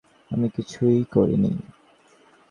আমি কিছুই করিনি!